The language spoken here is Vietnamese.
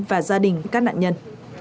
và gia đình các nạn nhân